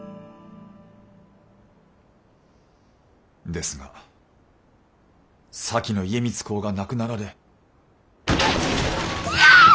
ですが先の家光公が亡くなられ。